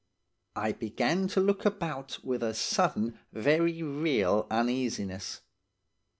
I began to look about with a sudden very real uneasiness.